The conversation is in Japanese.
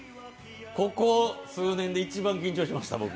ここ数年で一番緊張しました、僕。